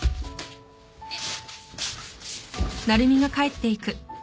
ねっ？